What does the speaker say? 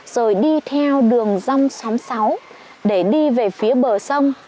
rồi đi theo đường rong xóm sáu để đi về phía bờ sông